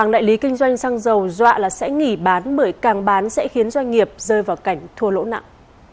đại lý kinh doanh xăng dầu dọa là sẽ nghỉ bán bởi càng bán sẽ khiến doanh nghiệp rơi vào cảnh thua lỗ nặng